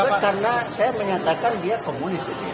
saya kan baca karena saya menyatakan dia komunis